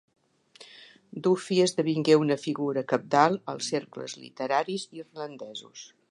Duffy esdevingué una figura cabdal als cercles literaris irlandesos.